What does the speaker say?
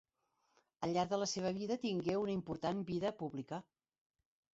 Al llarg de la seva vida tingué una important vida pública.